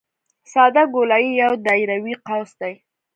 ساده ګولایي یو دایروي قوس دی